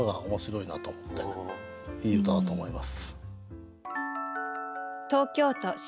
いい歌だと思います。